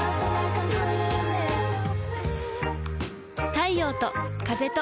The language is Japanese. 太陽と風と